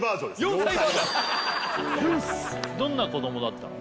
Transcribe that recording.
どんな子どもだったの？